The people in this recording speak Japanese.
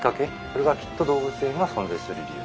それがきっと動物園が存在する理由。